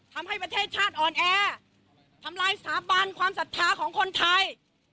ทำให้ประเทศชาติอ่อนแอทำลายสถาบันความศรัทธาของคนไทย